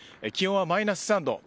気温はマイナス３度。